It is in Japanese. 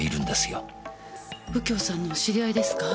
右京さんのお知り合いですか？